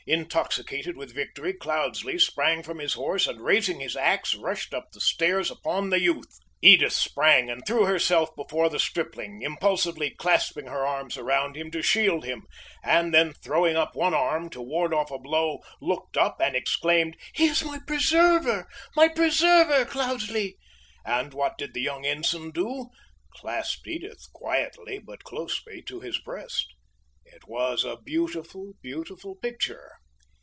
Intoxicated with victory, Cloudesley sprang from his horse, and raising his ax, rushed up the stairs upon the youth! Edith sprang and threw herself before the stripling, impulsively clasping her arms around him to shield him, and then throwing up one arm to ward off a blow, looked up and exclaimed: "He is my preserver my preserver, Cloudesley!" And what did the young ensign do? Clasped Edith quietly but closely to his breast. It was a beautiful, beautiful picture!